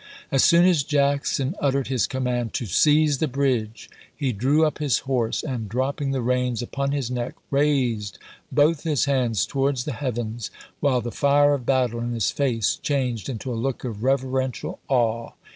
As soon as Jacksou uttered his command [to seize the bridge] he drew up his horse, and, dropping the reins upon his neck, raised both his hands towai"ds the heavens, while the fire of battle in his face changed into a look of reverential awe.